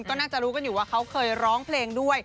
ก็น่าจะรู้กันอยู่ว่าเขาเคยร้องเพลงด้วย